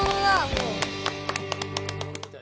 もう。